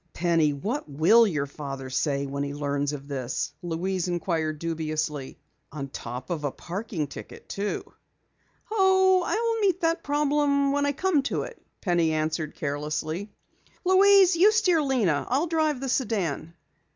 "Penny, what will your father say when he learns of this?" Louise inquired dubiously. "On top of a parking ticket, too!" "Oh, I'll meet that problem when I come to it," Penny answered carelessly. "Louise, you steer Lena. I'll drive the sedan."